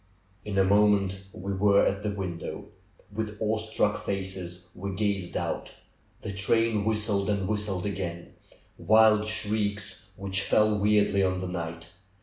In a moment we were at the window. With awe struck faces w'e gazed out. The train whistled, and whistled again — wild shrieks which fell weirdly on the night.